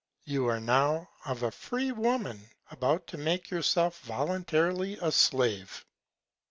You are now of a free Woman about to make yourself voluntarily a Slave.